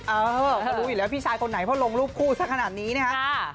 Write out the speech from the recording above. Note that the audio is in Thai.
เออเขารู้อยู่แล้วพี่ชายคนไหนเพราะลงรูปคู่สักขนาดนี้นะครับ